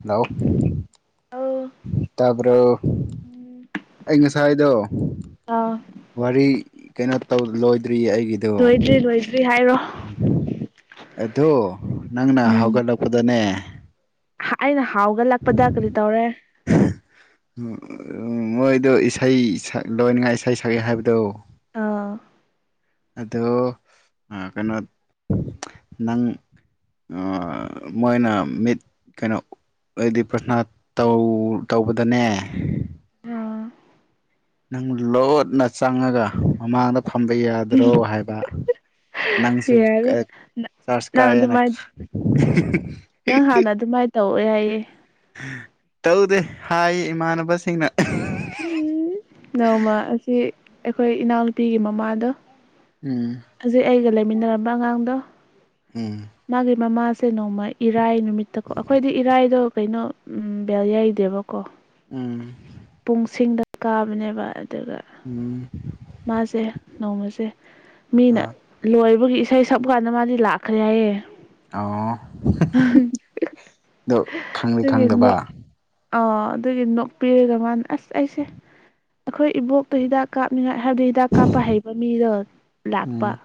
Hello ꯑꯧ ꯇꯄꯔ ꯑꯩ ꯉꯁꯥꯏꯗꯣ ꯑꯥ ꯋꯥꯔꯤ ꯀꯩꯅꯣ ꯂꯣꯏꯗ꯭ꯔꯤ ꯑꯩꯒꯤꯗꯣ ꯂꯣꯏꯗ꯭ꯔꯤ ꯂꯣꯏꯗ꯭ꯔꯤ ꯍꯥꯏꯔꯣ ꯑ ꯅꯪꯅ ꯎꯝ ꯍꯧꯒꯠꯂꯛꯄꯗꯅꯦ ꯑꯩꯅ ꯍꯥꯎꯒꯂꯛꯄꯗ ꯀꯔꯤ ꯇꯧꯔꯦ ꯃꯣꯏꯗꯣ ꯏꯁꯩ ꯁꯛ ꯂꯣꯏꯅꯤꯡꯉꯥꯏ ꯏꯁꯩ ꯁꯛꯑꯦ ꯍꯥꯏꯕꯗꯣ ꯑꯥ ꯑꯗꯣ ꯀꯩꯅꯣ ꯅꯪ ꯃꯣꯏꯅ ꯃꯤꯠ ꯀꯩꯅꯣ ꯍꯥꯏꯗꯤ ꯄ꯭ꯔꯊꯅꯥ ꯇꯧꯕꯗꯅꯦ ꯅꯪ ꯂꯣꯅ ꯆꯪꯉꯒ ꯃꯃꯥꯡꯗ ꯐꯝꯕ ꯌꯥꯗ꯭ꯔꯣ ꯍꯥꯏꯕ ꯅꯪꯁꯨ ꯌꯥꯔꯦ ꯆꯥꯔꯖ ꯅꯪ ꯀꯥꯏꯑꯦꯅ ꯑꯗꯨꯃꯥꯏ ꯅꯪ ꯍꯥꯟꯅ ꯑꯗꯨꯃꯥꯏꯅ ꯇꯧꯋꯦ ꯍꯥꯏꯌꯦ ꯇꯧꯗꯦ ꯍꯥꯏ ꯏꯃꯥꯟꯅꯕꯁꯤꯡꯅ ꯎꯝ ꯅꯣꯡꯃ ꯑꯁꯤ ꯑꯩꯈꯣꯏ ꯏꯅꯥꯎꯅꯨꯄꯤꯒꯤ ꯃꯃꯥꯗꯣ ꯎꯝ ꯍꯧꯖꯤꯛ ꯑꯩꯒ ꯂꯩꯃꯤꯟꯅꯔꯝꯕ ꯑꯉꯥꯡꯗꯣ ꯎꯝ ꯃꯥꯒꯤ ꯃꯃꯥꯁꯦ ꯅꯣꯡꯃ ꯏꯔꯥꯏ ꯅꯨꯃꯤꯠꯇꯀꯣ ꯑꯩꯈꯣꯏꯗꯤ ꯏꯔꯥꯏꯗꯣ ꯀꯩꯅꯣ ꯕꯦꯜ ꯌꯥꯏꯗꯦꯕꯀꯣ ꯎꯝ ꯄꯨꯡꯁꯤꯡꯗ ꯀꯥꯕꯅꯦꯕ ꯑꯗꯨꯒ ꯎꯝ ꯃꯥꯁꯦ ꯅꯣꯡꯃꯁꯦ ꯃꯤꯅ ꯑ ꯂꯣꯏꯕꯒꯤ ꯏꯁꯩ ꯁꯛꯄ ꯀꯥꯟꯗ ꯃꯥꯗꯤ ꯂꯥꯛꯈ꯭ꯔꯦ ꯍꯥꯏꯌꯦ ꯑꯣ ꯑꯣ ꯈꯪꯂꯤ ꯑꯗꯨꯒꯤ ꯈꯪꯗꯕ ꯅꯣꯛ ꯑꯥ ꯑꯗꯨꯒꯤ ꯅꯣꯛꯄꯤꯔꯒ ꯃꯥꯅ ꯑꯁ ꯑꯩꯁꯦ ꯑꯩꯈꯣꯏ ꯏꯕꯣꯛꯇꯣ ꯍꯤꯗꯥꯛ ꯀꯥꯞꯅꯤꯡꯉꯥꯏ ꯍꯥꯏꯕꯗꯤ ꯍꯤꯗꯥꯛ ꯀꯥꯞꯄ ꯍꯩꯕ ꯃꯤꯗꯣ ꯂꯥꯛꯄ ꯎꯝ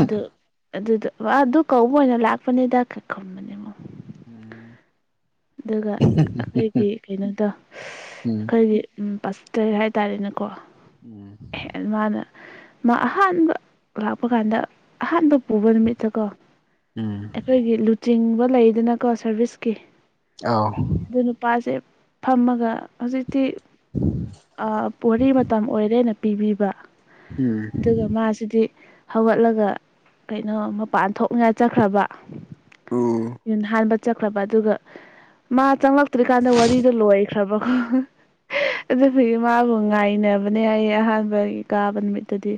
ꯑꯗꯨ ꯑꯗꯨꯗ ꯑꯗꯨ ꯀꯧꯕ ꯑꯣꯏꯅ ꯂꯥꯛꯄꯅꯤꯗ ꯈꯕꯅꯦꯕꯣ ꯎꯝ ꯑꯗꯨꯒ ꯑꯩꯈꯣꯏꯒꯤ ꯀꯩꯅꯣꯗꯣ ꯎꯝ ꯑꯩꯈꯣꯏꯒꯤ ꯎ ꯄꯁ ꯇꯔꯦꯠ ꯍꯥꯏꯇꯥꯔꯦꯅꯦꯀꯣ ꯎꯝ ꯃꯥꯅ ꯃꯥ ꯑꯍꯥꯟꯕ ꯂꯥꯛꯄ ꯀꯥꯟꯗ ꯑꯍꯥꯟꯕ ꯄꯨꯕ ꯅꯨꯃꯤꯠꯇ ꯀꯣ ꯎꯝ ꯑꯩꯈꯣꯏꯒꯤ ꯂꯨꯆꯤꯡꯕ ꯂꯩꯗꯅꯀꯣ ꯁꯥꯔꯚꯤꯁꯀꯤ ꯑꯥꯎ ꯑꯗꯨ ꯅꯨꯄꯥꯁꯦ ꯐꯝꯃꯒ ꯍꯧꯖꯤꯛꯇꯤ ꯋꯥꯔꯤ ꯃꯇꯝ ꯑꯣꯏꯔꯦꯅ ꯄꯤꯕꯤꯕ ꯎꯝ ꯑꯗꯨꯒ ꯃꯥꯁꯤꯗꯤ ꯍꯧꯒꯠꯂꯒ ꯀꯩꯅꯣ ꯃꯄꯥꯟ ꯊꯣꯛꯅ ꯆꯠꯈ꯭ꯔꯕ ꯎ ꯏ ꯍꯥꯟꯕ ꯆꯠꯈ꯭ꯔꯕ ꯑꯗꯨꯒ ꯃꯥ ꯆꯪꯂꯛꯇ꯭ꯔꯤꯀꯥꯟꯗ ꯋꯥꯔꯤꯗꯣ ꯂꯣꯏꯈ꯭ꯔꯕꯀꯣ ꯑꯗꯨꯕꯨꯒꯤ ꯃꯥꯕꯨ ꯉꯥꯏꯅꯕꯅꯦ ꯑꯩ ꯑꯍꯥꯟꯕꯒꯤ ꯀꯥꯕ ꯅꯨꯃꯤꯠꯇꯗꯤ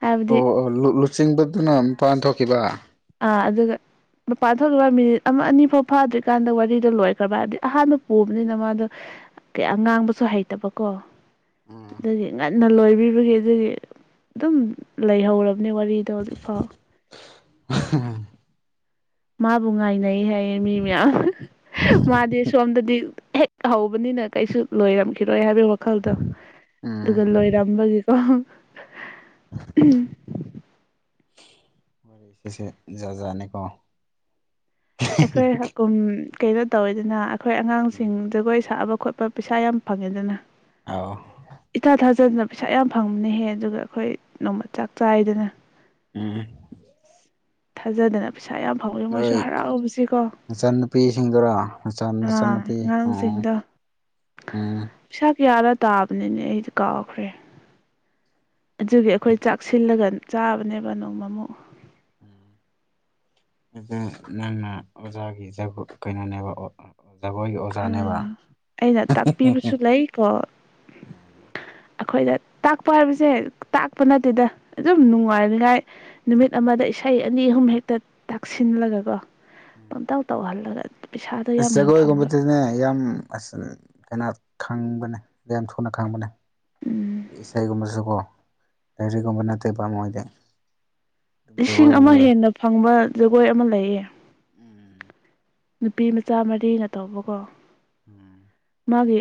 ꯍꯥꯏꯕꯗꯤ ꯑꯣ ꯑꯣ ꯂꯨꯆꯤꯡꯕꯗꯨꯅ ꯃꯄꯥꯟ ꯊꯣꯛꯈꯤꯕ ꯑ ꯑꯗ ꯃꯄꯥꯟ ꯊꯣꯛꯈꯤꯕ ꯃꯤꯅꯤꯠ ꯑꯃ ꯑꯅꯤ ꯐꯥꯎ ꯐꯥꯗ꯭ꯔꯤꯀꯥꯟꯗ ꯋꯥꯔꯤꯗꯣ ꯂꯣꯏꯈ꯭ꯔꯕ ꯍꯥꯏꯕꯗꯤ ꯑꯍꯥꯟꯕ ꯄꯨꯕꯅꯤꯅ ꯃꯥꯗꯣ ꯑ ꯉꯥꯡꯕꯁꯨ ꯍꯩꯇꯕꯀꯣ ꯎꯝ ꯑꯗꯨꯒꯤ ꯅ ꯂꯣꯏꯕꯤꯕꯒꯤ ꯑꯗꯨꯒꯤ ꯑꯗꯨꯝ ꯂꯩꯍꯧꯔꯕꯅꯦ ꯋꯥꯔꯤꯗꯣ ꯍꯧꯖꯤꯛꯐꯥꯎ ꯑ ꯃꯥꯕꯨ ꯉꯥꯏꯅꯩ ꯍꯥꯏꯌꯦ ꯃꯤ ꯃꯌꯥꯝ ꯃꯥꯗꯤ ꯁꯣꯝꯗꯗꯤ ꯍꯦꯛ ꯍꯧꯕꯅꯤꯅ ꯀꯩꯁꯨ ꯂꯣꯏꯔꯝꯈꯤꯔꯣꯏ ꯍꯥꯏ ꯋꯥꯈꯜꯗꯣ ꯎꯝ ꯑꯗꯨꯒ ꯂꯣꯏꯔꯝꯕꯒꯤꯀꯣ [inaudible] ꯁꯦꯁꯦ ꯖꯥꯖꯥꯅꯤꯀꯣ ꯑꯩꯈꯣꯏ ꯍꯀꯨꯝ ꯀꯩꯅꯣ ꯇꯧꯋꯤꯗꯅ ꯑꯩꯈꯣꯏ ꯑꯉꯥꯡꯁꯤꯡ ꯖꯒꯣꯏ ꯁꯥꯛꯑꯕ ꯈꯣꯠꯄ ꯄꯩꯁꯥ ꯌꯥꯝ ꯐꯪꯉꯦꯗꯅ ꯑꯥꯎ ꯏꯊꯥ ꯊꯥꯖꯗꯅꯕ ꯄꯩꯁꯥ ꯌꯥꯝ ꯐꯪꯕꯅꯦꯍꯦ ꯑꯗꯨꯒ ꯑꯩꯈꯣꯏ ꯅꯣꯡꯃ ꯆꯥꯛ ꯆꯥꯏꯗꯅ ꯎꯝ ꯊꯥꯖꯗꯅ ꯄꯩꯁꯥ ꯌꯥꯝ ꯐꯪꯋꯦ ꯃꯣꯏꯁꯨ ꯍꯔꯥꯎꯔꯨꯕꯁꯤ ꯀꯣ ꯃꯆꯟꯅꯨꯄꯤꯁꯤꯡꯗꯨꯔ ꯃꯆꯟꯅꯨꯄꯤ ꯎ ꯑꯉꯥꯡꯁꯤꯡꯗꯣ ꯄꯩꯁꯥ ꯀꯌꯥꯅ ꯇꯥꯕꯅꯤꯅꯦ ꯑꯩꯗꯤ ꯀꯥꯎꯈ꯭ꯔꯦ ꯑꯗꯨꯒꯤ ꯑꯩꯈꯣꯏ ꯆꯥꯛꯁꯤꯜꯂꯒ ꯆꯥꯕꯅꯦꯕ ꯅꯣꯡꯃ ꯑꯃꯨꯛ ꯎꯝ ꯑꯗꯨ ꯅꯪꯅ ꯑꯣꯖꯥꯒꯤ ꯖꯒ ꯀꯩꯅꯣꯅꯦꯕ ꯖꯒꯣꯏꯒꯤ ꯑ ꯑꯣꯖꯥꯅꯦꯕ ꯑꯩꯅ ꯇꯥꯛꯄꯤꯕꯁꯨ ꯂꯩꯀꯣ ꯑꯩꯈꯣꯏꯗ ꯇꯥꯛꯄ ꯍꯥꯏꯕꯁꯦ ꯇꯥꯛꯄ ꯅꯠꯇꯦꯗ ꯑꯗꯨꯝ ꯅꯨꯡꯉꯥꯏꯅꯤꯉꯥꯏ ꯅꯨꯃꯤꯠ ꯑꯃꯗ ꯏꯁꯩ ꯑꯅꯤ ꯑꯍꯨꯝ ꯍꯦꯛꯇ ꯇꯛꯁꯤꯜꯂꯒꯀꯣ ꯄꯪꯇꯧ ꯇꯧꯍꯜꯂꯒ ꯄꯩꯁꯥꯗꯣ ꯑꯁ ꯌꯥꯝ ꯌꯥꯝ ꯐꯪꯕ ꯖꯒꯣꯏꯒꯨꯝꯕꯗꯅꯦ ꯌꯥꯝ ꯀꯅꯥ ꯈꯪꯕꯅꯦ ꯌꯥꯝ ꯌꯥꯝ ꯊꯨꯅ ꯈꯪꯕꯅꯦ ꯎꯝ ꯏꯁꯩꯒꯨꯝꯕꯁꯨꯀꯣ ꯥꯏꯔꯤꯛꯒꯨꯝꯕ ꯅꯠꯇꯦ ꯄꯝ ꯑꯣꯏ ꯑꯣꯏꯗꯤ ꯏꯁꯤꯡ ꯑꯃ ꯍꯦꯟꯅ ꯐꯪꯕ ꯖꯒꯣꯏ ꯑꯃ ꯂꯩꯌꯦ ꯎꯝ ꯅꯨꯄꯤ ꯃꯆꯥ ꯃꯔꯤꯅ ꯇꯧꯕꯀꯣ ꯎꯝ ꯃꯥꯒꯤ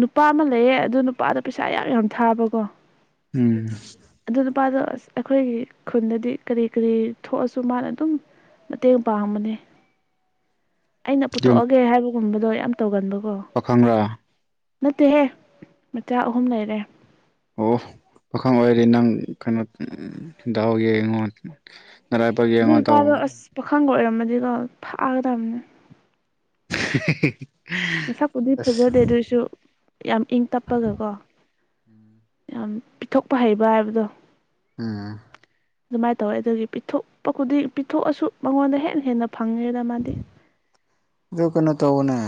ꯅꯨꯄꯥ ꯑꯃ ꯂꯩꯌꯦ ꯑꯗꯨ ꯅꯨꯄꯥꯗ ꯄꯩꯁꯥ ꯌꯥꯝ ꯌꯥꯝ ꯊꯥꯕꯀꯣ ꯎꯝ ꯑꯗꯨ ꯅꯨꯄꯥꯗꯣ ꯑꯁ ꯑꯩꯈꯣꯏꯒꯤ ꯈꯨꯟꯗꯗꯤ ꯀꯔꯤ ꯀꯔꯤ ꯊꯣꯛꯑꯁꯨ ꯃꯥꯅ ꯑꯗꯨꯝ ꯃꯇꯦꯡ ꯄꯥꯡꯕꯅꯦ [unintelligible] ꯑꯩꯅ ꯄꯨꯊꯣꯛꯑꯒꯦ ꯍꯥꯏꯕꯒꯨꯝꯕꯗꯣ ꯌꯥꯝ ꯇꯧꯒꯟꯕꯀꯣ꯫ ꯄꯥꯈꯪ꯭ꯔꯥ꯫ ꯅꯠꯇꯦꯍꯦ ꯃꯆꯥ ꯑꯍꯨꯝ ꯂꯩꯔꯦ ꯑꯣ ꯄꯥꯈꯪ ꯑꯣꯏꯔꯦ ꯅꯪ ꯀꯩꯅꯣ ꯗꯥꯎ ꯌꯦ ꯌꯦꯡꯉꯣ ꯅꯔꯥꯏꯕꯛ ꯑꯗꯨ ꯌꯦꯡꯉꯣ ꯇꯧ ꯅꯨꯄꯥꯗꯣ ꯑꯁ ꯄꯥꯈꯪꯒ ꯑꯣꯏꯔꯝꯃꯗꯤꯀꯣ ꯐꯛꯒꯗꯕꯅꯦ [unintelligible] ꯃꯁꯛꯄꯨꯗꯤ ꯑꯁ ꯐꯖꯗꯦ ꯑꯗꯨꯑꯣꯏꯁꯨ ꯌꯥꯝ ꯏꯪ ꯇꯞꯄꯒꯀꯣ ꯌꯥꯝ ꯄꯤꯊꯣꯛꯄ ꯍꯩꯕ ꯍꯥꯏꯕꯗꯣ ꯑꯝ ꯑꯗꯨꯃꯥꯏꯅ ꯇꯧꯋꯦ ꯑꯗꯨꯒꯤ ꯄꯤꯊꯣꯛꯄ ꯈꯨꯗꯤꯡ ꯄꯤꯊꯣꯛꯑꯁꯨ ꯃꯉꯣꯟꯗ ꯍꯦꯟꯅ ꯍꯦꯟꯅ ꯐꯪꯉꯦꯗ ꯃꯥꯗꯤ ꯑꯗꯨ ꯀꯩꯅꯣ ꯇꯧꯕꯅꯦ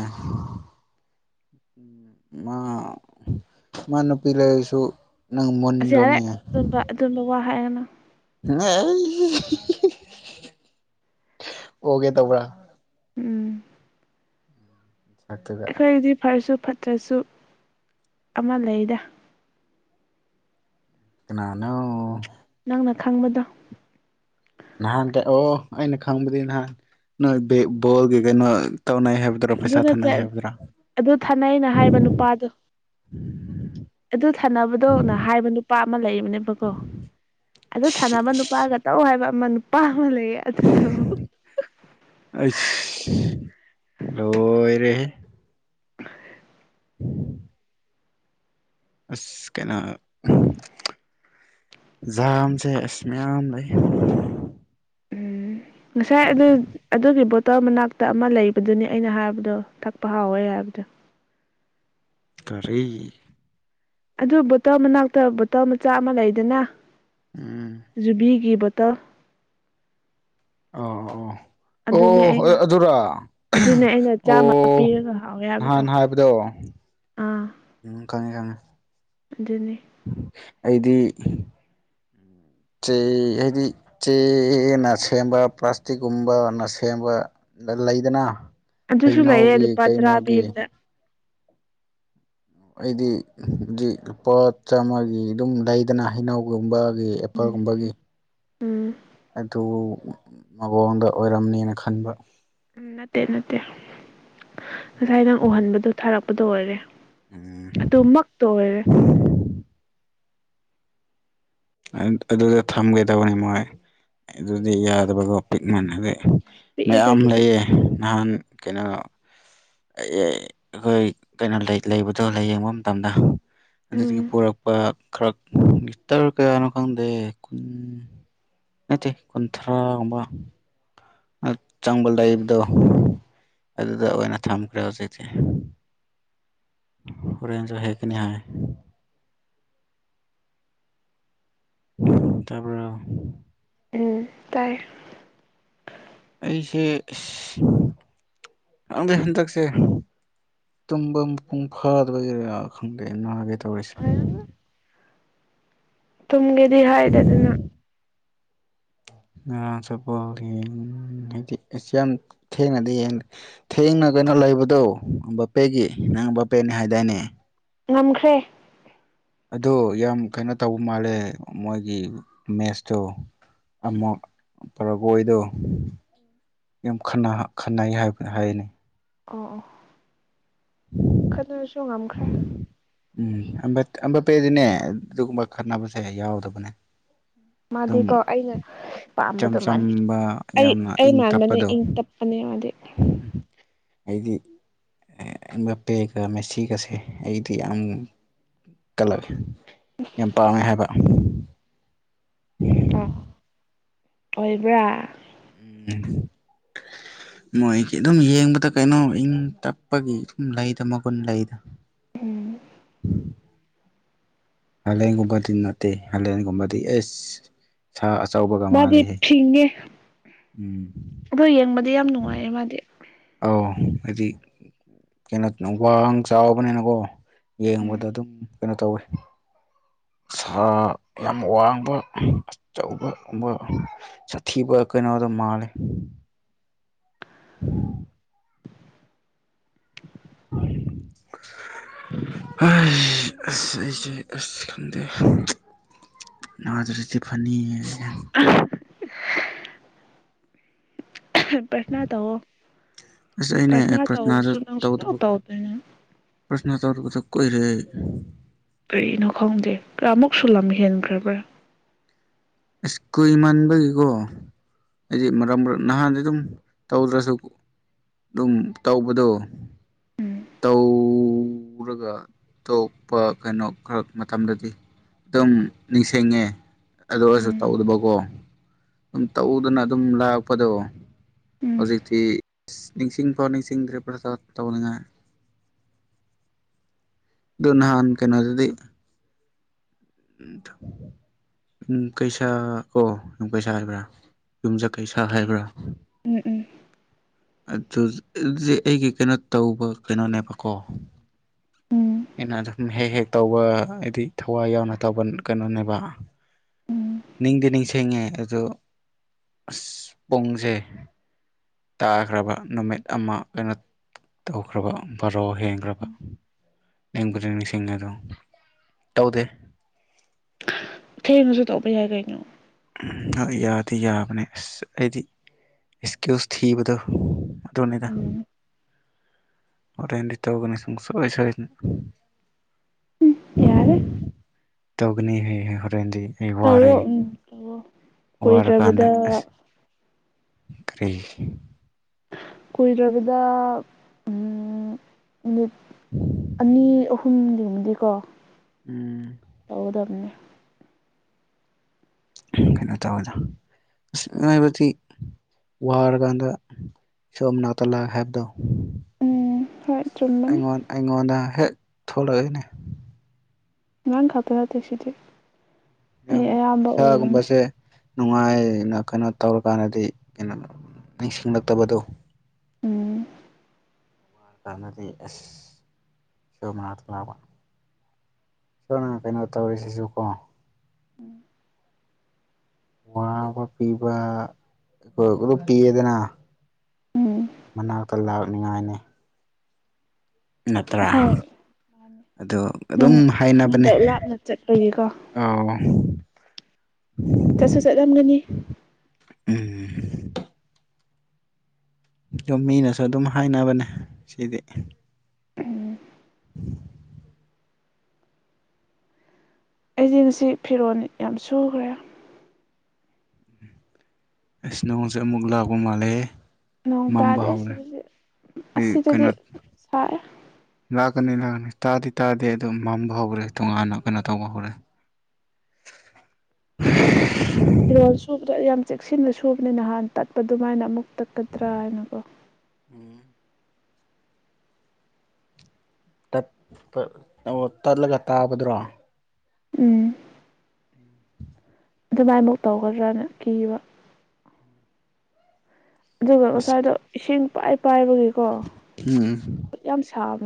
ꯃꯥ ꯃꯥꯅꯄꯤꯤ ꯂꯩꯁꯨ ꯑꯁꯤ ꯌꯥꯔꯦ ꯑꯗꯨꯝꯕ ꯑꯗꯨꯝꯕ ꯋꯥ ꯍꯥꯏꯒꯅ ꯑꯣꯒꯦ ꯇꯕ꯭ꯔꯥ ꯎꯝ ꯁꯛꯇꯨꯒ ꯑꯩꯈꯣꯏꯒꯤꯗꯤ ꯐꯔꯁꯨ ꯐꯠꯇ꯭ꯔꯁꯨ ꯑꯃ ꯂꯩꯗ ꯀꯅꯥꯅ ꯅꯪꯅ ꯈꯪꯕꯗꯣ ꯅꯍꯥꯟ ꯀ ꯑꯣ ꯑꯩꯅ ꯈꯥꯎꯕꯗꯤ ꯅꯍꯥꯟ ꯅꯣꯜꯒ ꯀ ꯇꯅ ꯍꯥꯏꯕ ꯑꯗꯨ ꯅꯠꯇꯦ ꯑꯗꯨ ꯊꯥꯅꯩꯅ ꯍꯥꯏꯕ ꯅꯨꯄꯥꯗꯣ꯫ ꯑꯗꯨ ꯊꯥꯅꯕꯗꯣ ꯅ ꯍꯥꯏꯕ ꯅꯨꯄꯥ ꯑꯃ ꯂꯩꯕꯅꯦꯕꯀꯣ꯫ ꯑꯗꯨ ꯊꯥꯅꯕ ꯅꯨꯄꯥꯒ ꯇꯧ ꯍꯥꯏꯕ ꯑꯃ ꯅꯨꯄꯥ ꯃ ꯂꯩꯌꯦ ꯑꯗꯨꯗꫭ꯫ ꯑꯩꯁ ꯂꯣꯏꯔꯦꯍꯦ꯫ [inaudible] [unintelligible] ꯑꯁ ꯀꯩꯅꫭ ꯖꯥꯝꯁꯦ ꯑꯁ ꯃꯌꯥꯝ ꯂꯩ꯫ ꯎꯝ ꯉꯁꯥꯏ ꯑꯗꯨ ꯑꯗꯨꯒꯤ ꯕꫭꯠ ꯇꯜ ꯃꯅꯥꯛꯇ ꯑꯃ ꯂꯩꯕꯗꯨꯅꯤ ꯑꯩꯅ ꯍꯥꯏꯕꯗꯣ ꯊꯛꯄ ꯍꯥꯎꯋꯦ ꯍꯥꯏꯕꯗꯣ꯫ ꯀꯔꯤ꯫ ꯑꯗꯨ ꯕꯣꯇꯜ ꯃꯅꯥꯛꯇ ꯕꯣꯇꯜ ꯃꯆꯥ ꯑꯃ ꯂꯩꯗꯅ ꯎꯝ ꯖꯨꯕꯤꯒꯤ ꯕꫭꯠ ꯇꯜ ꯑꯥꯎ ꯑꯣ꯫ ꯑꯗꯨꯅꯦ ꯑꯩꯅ ꯑꯣ ꯑꯗꯨꯔꯥ ꯑꯗꯨꯅꯦ ꯑꯩꯅ ꯑꯣ ꯆꯥꯝꯃ ꯄꯤꯔꯒ ꯍꯥꯎꯋꯦ ꯅꯍꯥꯟ ꯍꯥꯏꯕꯗꯣ꯫ ꯑꯥ ꯎꯝ ꯈꯪꯑꯦ-ꯈꯪꯑꯦ꯫ ꯑꯗꯨꯅꯤ꯫ ꯑꯩꯗꯤ ꯆꯦ ꯍꯥꯏꯗꯤ ꯆꯦꯅ ꯁꯦꯝꯕ ꯄ꯭ꯂꯥꯁꯇꯤꯛꯀꯨꯝꯕꯅ ꯁꯦꯝꯕ ꯂꯂꯩꯗꯅ ꯑꯗꯨꯁꯨ ꯂꯩꯌꯦ ꯍꯩꯅꯧꯒꯤ ꯂꯨꯄꯥ ꯇꯔꯥ ꯀꯩꯅꯣꯒꯤ ꯄꯤꯕꯗ ꯑꯩꯗꯤ ꯍꯧꯖꯤꯛ ꯂꯨꯄꯥ ꯆꯥꯝꯃꯒꯤ ꯑꯗꯨꯝ ꯂꯩꯗꯅ ꯍꯩꯅꯧꯒꯨꯝꯕ꯫ ꯒꯤ ꯎꯝ ꯑꯦꯄꯜꯒꯨꯝꯕꯒꯤ ꯎꯝ ꯑꯗꯨ ꯃꯑꯣꯡꯗꫭ ꯑꯣꯏꯔꯝꯅꯤꯅ ꯈꯟꯕ꯫ ꯎꯝ ꯅꯠꯇꯦ ꯅꯠꯇꯦ ꯉꯁꯥꯏ ꯅꯪ ꯎꯍꯟꯕꯗꯣ ꯊꯥꯔꯛꯄꯗꯣ ꯑꯣꯏꯔꯦ꯫ ꯎꯝ ꯑꯗꯨꯃꯛ ꯇꯧꯋꯦꯔꯦ꯫ ꯑꯗꯨꯗ ꯊꯝꯒꯦ ꯇꯧꯕꯅꯦ ꯃꯣꯏ ꯑꯗꯨꯗꯤ ꯌꯥꯗꯕꯒꯣ ꯄꯤꯛꯃꯟꯅꯗꯦ꯫ ꯄꯤꯛꯑꯦꯗ ꯃꯌꯥꯝ ꯑꯗꯨꯗꯤ ꯂꯩꯌꯦ ꯅꯍꯥꯟ ꯀꯩꯅꯣ ꯑꯩ ꯑꯈꯣꯏ ꯀꯩꯅꯣ ꯂꯩ ꯂꯩꯕꯗꯣ ꯂꯌꯦꯡꯕ ꯃꯇꯝꯗ ꯑꯗꯨꯗꯒꯤ ꯎꯝ ꯄꯨꯔꯛꯄ ꯈꯔ ꯒꯤꯇ ꯀꯌꯥꯅꯣ ꯈꯪꯗꯦ ꯀꯟ ꯅꯠꯇꯦ ꯀꯨꯟꯊ꯭ꯔꯥꯒꯨꯝꯕ ꯆꯥꯡꯕ ꯂꯩꯏꯕꯗꯣ ꯑꯗꯨꯗ ꯑꯣꯏꯅ ꯊꯝꯈ꯭ꯔꯦ ꯍꯧꯖꯤꯛꯇꯤ ꯑꯣꯔꯦꯟꯖ ꯍꯦꯛ ꯀꯅꯤ ꯍꯥꯏ꯫ ꯇꯥꯕꯔꫭ꯫ ꯎꯝ ꯇꯥꯏ꯫ ꯑꯩꯁꯦ ꯏꯁ ꯈꯪꯗꯦ ꯍꯟꯗꯛꯁꯦ꯫ ꯇꯨꯝꯕ ꯃꯄꯨꯡ ꯐꯥꯗꯕꯒꯤꯔꯥ ꯈꯪꯗꯦ ꯅꯥꯒꯦ ꯇꯧꯔꯤꯁꯦ꯫ ꯊꯨꯝꯒꯦꯗꯤ ꯍꯥꯏꯗꯗꯅ꯫ ꯉꯔꯥꯡ ꯆꯠꯄꯒꯤ ꯎ ꯍꯥꯏꯗꯤ ꯌꯥꯝ ꯊꯦꯡꯅꯗꯤ ꯌꯦꯡ ꯊꯦꯡꯅ ꯅꯪ ꯀꯩꯅꯣ ꯂꯩꯕꯗꯣ ꯕꯄꯦꯒꯤ ꯅꯪ ꯕꯄꯦꯅꯤ ꯍꯥꯏꯗꯥꯏꯅꯦ꯫ ꯉꯝꯈ꯭ꯔꯦ꯫ ꯑꯗꯣ ꯌꯥꯝ ꯀꯩꯅꯣ ꯇꯧꯕ ꯃꯥꯜꯂꯦ ꯃꯣꯏꯒꯤ ꯃꯦꯠꯁꯇꯣ꯫ ꯑꯃꯨꯛ ꯄꯔꯒꯣꯏꯗꯣ ꯌꯥꯝ ꯈꯟꯙ ꯈꯟꯅꯩ ꯍꯥꯏꯕꯅꯤ꯫ ꯑꯣ ꯑꯣ꯫ ꯈꯗꯨꯅꯁꯨ ꯉꯝꯈ꯭ꯔꯦ꯫ ꯎꯝ ꯑꯝꯕꯄꯦꯗꯨꯅꯦ ꯑꯗꯨꯒꯨꯝꯕ ꯈꯠꯅꯕꯁꯦ ꯌꯥꯎꯗꯕꯅꯦ꯫ ꯃꯥꯗꯤꯀꯣ ꯑꯗꯨꯝ ꯑꯩꯅ ꯏꯆꯝ ꯄꯥꯝꯕꯗꯣ ꯃꯥꯜꯂꯤ ꯆꯝꯕ ꯑꯩ ꯌꯥꯝꯅ ꯑꯩ ꯏꯪ ꯃꯥꯟꯕꯅꯦ ꯇꯞꯄꯗꯣ ꯏꯪ ꯇꯞꯄꯅꯦ ꯃꯥꯗꯤ꯫ ꯑꯩꯗꯤ ꯑꯦꯝꯕꯞꯄꯦꯒ ꯃꯦꯁꯤꯒꯁꯦ ꯑꯩꯗꯤ ꯌꯥꯝ ꯀꯜꯂꯛꯑꯦ꯫ ꯌꯥꯝ ꯄꯥꯝꯃꯦ ꯍꯥꯏꯕ ꯑ ꯑꯣꯏꯕ꯭ꯔꯥ ꯎꯝ ꯃꯣꯏꯒꯤ ꯑꯗꯨꯝ ꯌꯦꯡꯕꯗ ꯀꯩꯅꯣ ꯏꯪ ꯇꯞꯄꯒꯤ ꯑꯗꯨꯝ ꯂꯩꯗ ꯃꯒꯨꯟ ꯂꯩꯗ ꯎꯝ ꯎꯝ ꯍꯂꯦꯟꯒꯨꯝꯕꯗꯤ ꯅꯠꯇꯦ ꯍꯂꯦꯟꯒꯨꯝꯕꯗꯤ ꯑꯦ ꯁꯥ ꯑꯆꯧꯕꯒ ꯃꯥꯗꯤ ꯃꯥꯜꯂꯦꯍꯦ ꯐꯤꯡꯉꯦ ꯎꯝ ꯑꯗꯨꯣ ꯌꯦꯡꯕꯗꯤ ꯌꯥꯝ ꯅꯨꯡꯉꯥꯏꯌꯦꯦ ꯃꯥꯗꯤ ꯑ ꯍꯥꯏꯗꯤ ꯀꯩꯅꯣ ꯋꯥꯡ ꯆꯥꯎꯕꯅꯤꯅꯀꯣ ꯎꯝ ꯌꯦꯡꯕꯗ ꯑꯗꯨꯝ ꯀꯩꯅꯣ ꯇꯧꯋꯤ ꯁꯥ ꯌꯥꯝ ꯋꯥꯡꯕ ꯑꯆꯧꯕꯨꯝ ꯁꯥꯊꯤꯕ ꯀ ꯌꯦꯩꯅꯣ ꯑꯗꯨꯣ ꯃꯥꯂꯦ ꯎꯝ ꯑꯩ ꯑꯁ ꯑꯩꯁꯦ ꯑꯁ ꯈꯪꯗꯦ ꯑ ꯑꯗꯨꯤ ꯐꯅꯤ [unintelligible] ꯄꯇꯅꯥ ꯇꯧ ꯑꯁ ꯑꯩꯅꯦ ꯄꯇꯅꯥ ꯇꯧ ꯄ꯭ꯔꯊꯅꯥꯗ ꯁ ꯅ ꯁ ꯇꯧ ꯇꯧꯗꯕ ꯇꯥꯎꯅ ꯄ꯭ꯔꯊꯅꯥ ꯇꯧꯗꯕꯗꯣ ꯀꯨꯏꯔꯦ ꯀꯔꯤꯅ ꯈꯣꯡꯗꯦ ꯀꯃꯨꯛ ꯁꯂꯝꯃꯤ ꯍ ꯈꯈ꯭ꯔꯕ ꯑꯁ ꯀꯨꯏ ꯃꯟꯕꯒꯤꯀꯣ ꯍꯥꯏꯗꯤ ꯅꯍꯥꯟꯗꯤ ꯑꯗꯨꯝ ꯇꯧꯗ꯭ꯔꯁꯨ ꯑꯗꯨꯝ ꯇꯧꯕꯗꯣ ꯎꯝ ꯇꯔꯒ ꯇꯄ ꯀꯩꯅꯣ ꯈꯔ ꯃꯇꯝꯗꯗꯤ ꯑꯗꯨꯝ ꯅꯤꯡꯁꯤꯡꯉꯦ ꯑꯗꯨ ꯑꯣꯏꯔꯁꯨ ꯎꯝ ꯇꯧꯗꯕꯀꯣ ꯑꯗꯨꯝ ꯇꯧꯗꯅ ꯑꯗꯨꯝ ꯂꯥꯛꯄꯗꯣ ꯎꯝ ꯍꯧꯖꯤꯛꯇꯤ ꯅꯤꯡꯁꯤꯡꯐꯥꯎ ꯅꯤꯡꯁꯤꯡꯗ꯭ꯔꯦ ꯄ꯭ꯔ ꯇꯧꯅꯤꯉꯥꯏ ꯑꯗꯨ ꯅꯍꯥꯟꯥꯟ ꯀꯩꯅꯣ ꯑꯗꯨꯗꯤ ꯎꯇ ꯌꯨꯝ ꯀꯩꯁꯥ ꯑꯣ ꯌꯨꯝ ꯀꯩꯁꯥ ꯍꯥꯏꯕ꯭ꯔꯥ ꯌꯨꯝꯁ ꯀꯩꯁꯥ ꯍꯥꯏꯕ꯭ꯔꯥ ꯎꯝ ꯎꯝ ꯑꯗꯨ ꯑꯩꯒꯤ ꯀꯩꯅꯣ ꯇꯧꯕ ꯀꯩꯅꯣꯅꯦꯕꯀꯣ ꯎꯝ ꯑꯩꯅ ꯑꯗꯨꯝ ꯍꯦꯛ ꯍꯦꯛ ꯇꯧꯕ ꯍꯥꯏꯗꯤ ꯊꯋꯥꯏ ꯌꯥꯎꯅ ꯇꯧꯕ ꯀꯩꯅꯣꯅꯦꯕ ꯎꯝ ꯅꯤꯡꯗꯤ ꯅꯤꯡꯁꯤꯡꯉꯦ ꯑꯗꯣ ꯑꯁ ꯄꯨꯡꯁꯦ ꯇꯥꯈ꯭ꯔꯕ ꯅꯨꯃꯤꯠ ꯑꯃ ꯑꯣꯏꯅ ꯇꯧꯈ꯭ꯔꯕ ꯕꯥꯔꯣ ꯍꯦꯟꯈ꯭ꯔꯕ ꯅꯤꯡꯒꯔꯤꯁꯤꯡ ꯑꯗꯨ ꯇꯧꯗꯦ ꯊꯦꯡꯅꯁꯨ ꯇꯧꯕ ꯌꯥꯏ ꯀꯩꯅꯣ ꯑ ꯌꯥꯗꯤ ꯌꯥꯕꯅꯦ ꯑꯁ ꯑꯩꯗꯤ ꯑꯦꯁꯀ꯭ꯌꯨꯁ ꯊꯕꯗꯣ ꯑꯗꯨꯗꯣꯅꯦꯗ ꯎꯝ ꯑꯣꯔ ꯇꯧꯒꯅꯤ ꯁꯅꯤ ꯌꯥꯔꯦ ꯇꯧꯒꯅꯤ ꯍ ꯍꯣꯔꯦꯟꯗꯤ ꯑꯩ ꯋꯥꯔꯦ ꯇꯧꯋꯣ ꯎꯝ ꯇꯧꯋꯣ ꯋꯥꯔ ꯀꯥꯟꯗ ꯀꯨꯏꯗ꯭ꯔꯕꯗ ꯑꯁ ꯀꯔꯤ ꯀꯨꯏꯗꯕꯗ ꯎꯝ ꯃꯤꯅꯤꯠ ꯑꯅꯤ ꯑꯍꯨꯝꯗꯤꯃꯨꯝꯗꯤꯀꯣ ꯎꯝ ꯇꯗ ꯑꯃꯅꯤꯅꯤ ꯀꯩꯅꯣ ꯇꯧꯕꯗ ꯑ ꯍꯥꯏꯕꯗꯤ ꯋꯥꯔꯀꯥꯟꯗ ꯁꯣꯝ ꯅꯥ ꯇꯂꯥꯒ ꯍꯥꯏꯕꯗꯣ ꯎꯝ ꯍꯣꯏ ꯆꯨꯝꯕꯅꯦ ꯑꯩꯉꯣꯟꯗ ꯑꯩꯉꯣꯟꯗ ꯍꯦꯛ ꯊꯂꯅꯦ ꯉ ꯈꯇꯔ ꯇ ꯁꯤꯗꯤ ꯃꯤ ꯌꯥꯝ ꯑꯌꯥꯝꯕ ꯑꯣꯏꯕꯅꯦ ꯏꯁꯥꯒꯨꯝꯕꯁꯦ ꯅꯨꯡꯉꯥꯏꯅ ꯀꯩꯅꯣ ꯇꯧꯔꯀꯥꯟꯗꯗꯤ ꯀꯩꯅꯣ ꯅꯤꯡꯁꯤꯡꯂꯛꯇꯕꯗꯣ ꯎꯝ ꯨꯔꯀꯅꯗꯤ ꯑꯦꯁ ꯁꯣꯝꯅꯥꯊ ꯂꯕ ꯁꯣꯅ ꯀꯩꯅꯩꯅ ꯋꯥ ꯇꯧꯔꯔꯤꯁꯤ ꯁꯨ ꯀꯣ ꯋꯥꯕ ꯄꯤꯕ ꯑꯩꯣꯏ ꯑꯗꯨ ꯄꯤꯌꯦꯗꯅ ꯎꯝ ꯃꯅꯥꯛꯇ ꯂꯥꯛꯅꯤꯉꯥꯏꯅꯤ ꯅꯠꯇ꯭ꯔꯥ ꯍꯣꯏ ꯑ ꯑꯗꯨꯝ ꯅꯪ ꯅꯪ ꯍꯥꯏꯅꯕꯅꯦ ꯍꯟꯗꯛ ꯂꯥꯞꯅ ꯆꯠꯄꯒꯤꯀꯣ ꯑꯥꯎ ꯆꯠꯁꯨ ꯆꯠꯂꯝꯒꯅꯤ ꯎꯝ ꯌꯨꯝ ꯃꯤꯅꯁꯨ ꯑꯗꯨꯝ ꯍꯥꯏꯅꯕꯅꯦ ꯁꯤꯗꯤ ꯎꯝ ꯑꯩꯗꯤꯁꯤ ꯐꯤꯔꯣꯜ ꯌꯥꯝ ꯁꯨꯈ꯭ꯔꯦ ꯑꯁ ꯅꯣꯡꯁꯦ ꯑꯃꯨꯛ ꯂꯥꯛꯄ ꯃꯥꯜꯂꯦ ꯅꯣꯡ ꯃꯝꯕ ꯇꯥꯗꯦ ꯍꯧꯔꯦ ꯁꯤꯗꯗꯤ ꯑꯁꯤꯗꯗꯤ ꯀꯩꯅꯣ ꯁꯥꯏꯑꯦ ꯂꯥꯛꯀꯅꯤ ꯂꯥꯛꯀꯅꯤ ꯇꯥꯗꯤ ꯇꯥꯗꯦ ꯑꯗꯨ ꯃꯝꯕ ꯍꯧꯈꯔꯦ ꯇꯣꯉꯥꯟꯅ ꯀꯩꯅꯣ ꯇꯧꯕ ꯍꯧꯔꯦ [unintelligible] ꯐꯤꯔꯣꯜ ꯁꯨꯕꯗ ꯌꯥꯝ ꯆꯦꯛꯁꯤꯟꯅ ꯁꯨꯕꯅꯤ ꯅꯍꯥꯟ ꯇꯠꯄ ꯑꯗꯨꯃꯥꯏꯅ ꯑꯃꯨꯛ ꯇꯠꯀꯗ꯭ꯔꯥ ꯍꯥꯏꯅꯀꯣ ꯍ ꯑꯣ ꯇꯠꯂꯒ ꯇꯥꯕꯗ꯭ꯔꯣ ꯎꯝ ꯑꯗꯨꯃꯥꯏꯃꯨꯛ ꯇꯧꯒꯗ꯭ꯔꯅ ꯀꯤꯕ ꯑꯗꯨꯒ ꯑꯁ ꯉꯁꯥꯏꯗꯣ ꯏꯁꯤꯡ ꯄꯥꯏ ꯄꯥꯏꯕꯒꯤꯀꯣ ꯎꯝ ꯈꯨꯠ ꯌꯥꯝ ꯁꯥꯕ